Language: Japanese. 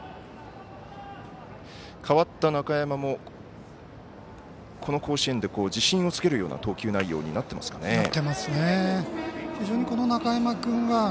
代わった中山もこの甲子園で自信をつけるような投球内容になってますかね。